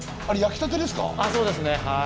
そうですねはい。